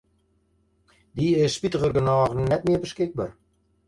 Dy is spitigernôch net mear beskikber.